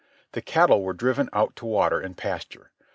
The cattle were driven out to water and pasture.